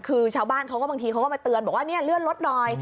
คือชาวบ้านเขาก็บางทีเขาก็มาเตือนบอกว่าเนี่ยเลื่อนรถหน่อย